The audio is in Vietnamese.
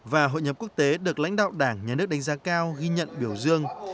và hội nhập quốc tế được lãnh đạo đảng nhà nước đánh giá cao ghi nhận biểu dương